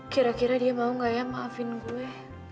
kira kira dia mau gak ya maafin gue